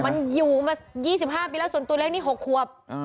มันอยู่มา๒๕ปีแล้วส่วนตัวเล็กนี่๖ควบ